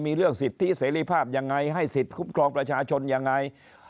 มีเรื่องสิทธิเสรีภาพยังไงให้สิทธิ์คุ้มครองประชาชนยังไง